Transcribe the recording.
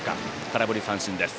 空振り三振です。